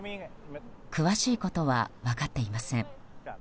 詳しいことは分かっていません。